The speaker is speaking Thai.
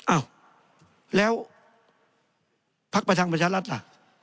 อ้าวแล้วพักประทังประชารัฐล่ะ